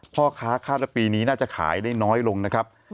พ่อค้าคาดว่าปีนี้น่าจะขายได้น้อยลงนะครับ